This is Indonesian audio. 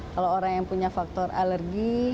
kalau orang yang punya faktor alergi